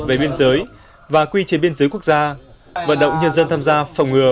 về biên giới và quy chế biên giới quốc gia vận động nhân dân tham gia phòng ngừa